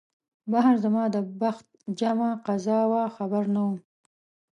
بهر زما د بخت جمعه قضا وه خبر نه وم